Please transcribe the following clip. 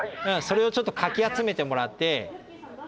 それをちょっとかき集めてもらって。